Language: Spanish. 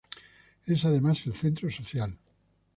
Es además el centro social.